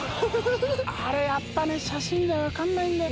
あれやっぱね写真じゃわからないんだよ。